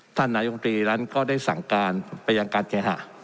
ท่านนายก็ได้สั่งการไปยังการแก่ห่า